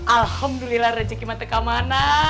alhamdulillah rezeki mati kamar nak